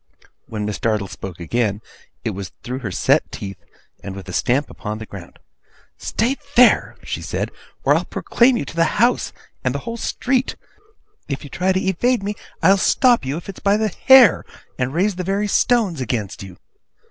When Miss Dartle spoke again, it was through her set teeth, and with a stamp upon the ground. 'Stay there!' she said, 'or I'll proclaim you to the house, and the whole street! If you try to evade me, I'll stop you, if it's by the hair, and raise the very stones against you!